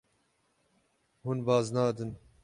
Hûn baz nadin.